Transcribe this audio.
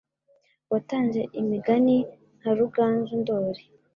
Watanze imigani nka Ruganzu ndori